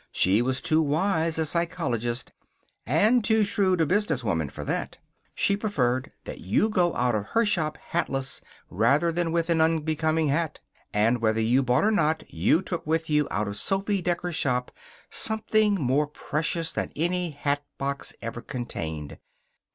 She was too wise a psychologist and too shrewd a businesswoman for that. She preferred that you go out of her shop hatless rather than with an unbecoming hat. But whether you bought or not you took with you out of Sophy Decker's shop something more precious than any hatbox ever contained.